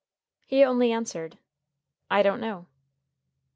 He only answered: "I don't know."